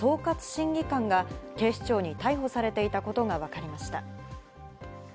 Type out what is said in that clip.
審議官が警視庁に逮捕されていたことがわかりました。